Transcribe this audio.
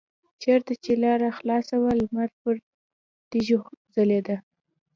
چېرته چې لاره خلاصه وه لمر پر تیږو ځلیده.